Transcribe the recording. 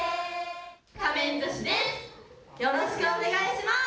よろしくお願いします。